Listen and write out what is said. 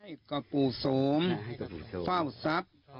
ให้กระปูสมเฝ้าทรัพย์